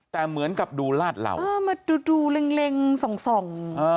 แต่เหมือนกับดูลาดเหล่ามาดูเร็งส่ง